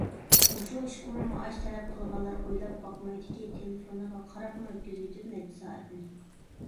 مۇشۇ ئىشقىمۇ مائاش تەلەپ قىلغانلار ئويلاپ باقمايدۇكى، تېلېفونىغا قاراپمۇ ئۆتكۈزۈۋېتىدۇ نەچچە سائەتنى.